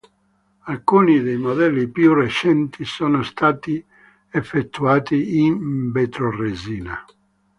Alcuni dei modelli più recenti sono stati effettuati in vetroresina.